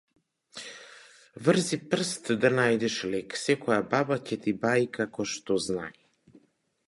Врзи прст да најдеш лек, секоја баба ќе ти баи како што знаи.